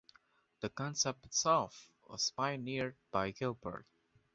The concept itself was pioneered by Gilbert.